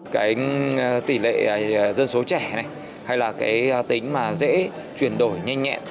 cái tỷ lệ dân số trẻ này hay là cái tính mà dễ chuyển đổi nhanh nhẹn